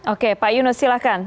oke pak yunus silakan